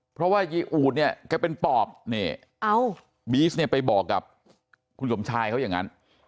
เพราะว่าอูดเป็นปอบบี๊สไปบอกกับคุณสมชายเขาอย่างนั้น